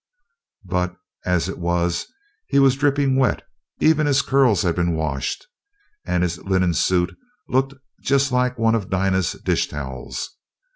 But as it was he was dripping wet, even his curls had been washed, and his linen suit looked just like one of Dinah's dish towels.